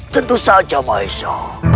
tentu saja maesha